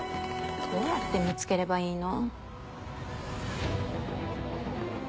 どうやって見つければいいの？